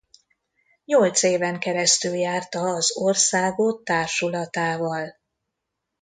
Nyolc éven keresztül járta az országot társulatával.